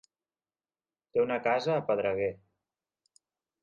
Té una casa a Pedreguer.